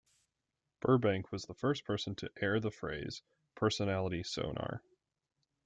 Burbank was the first person to air the phrase "personality sonar".